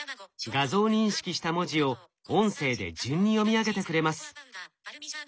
画像認識した文字を音声で順に読み上げてくれます。